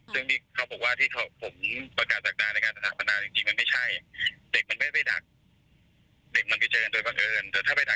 คือเขาติดต่อไปทางครอบครัวเด็กทุกคนแล้ว